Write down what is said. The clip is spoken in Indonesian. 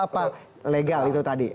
apa legal itu tadi